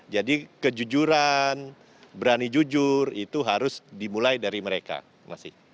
jadi kejujuran berani jujur itu harus dimulai dari mereka terima kasih